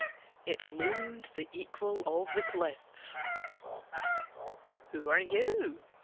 it loomed the equal of the cliffs. "Who are you?"